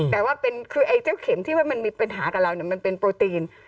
แต่ว่าคือไอ้เจ้าเข็มที่ว่ามันมีปัญหากับเรามันเป็นโปรตีน